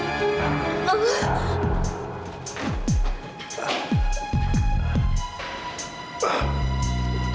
tolong rumah sakit banget